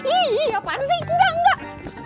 ih apaan sih enggak enggak